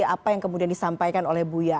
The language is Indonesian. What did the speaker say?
apa yang kemudian disampaikan oleh buya